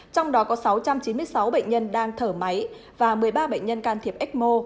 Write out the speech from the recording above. trong đó có sáu trăm chín mươi sáu bệnh nhân đang thở máy và một mươi ba bệnh nhân can thiệp ecmo